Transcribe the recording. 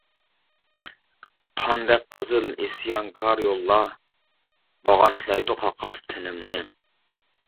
قاندەك قىزىل ئىسيانكار يوللار، باغاشلايدۇ قاقاس تىنىمنى.